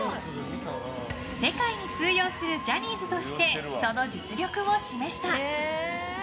世界に通用するジャニーズとしてその実力を示した。